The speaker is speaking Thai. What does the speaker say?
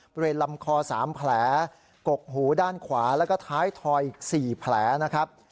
บริเวณลำคอ๓แผลกกหูด้านขวาแล้วก็ท้ายทอยอีก๔แผลนะครับ